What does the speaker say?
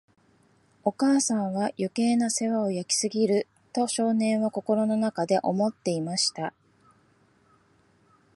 お母さんは、余計な世話を焼きすぎる、と少年は心の中で思っていました。